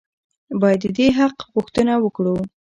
باید د دې حق غوښتنه وکړو.